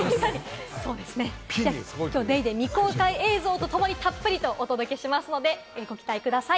『ＤａｙＤａｙ．』未公開映像とともにたっぷりとお届けしますので、ご期待ください。